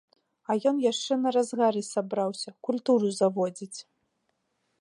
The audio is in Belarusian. А ён яшчэ на разгары сабраўся, культуру заводзіць!